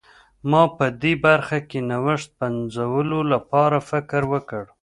ما په دې برخه کې نوښت پنځولو لپاره فکر وکړ.